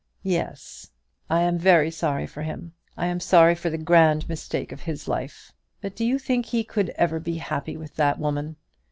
"' "Yes, I am very sorry for him; I am sorry for the grand mistake of his life. But do you think he could ever be happy with that woman?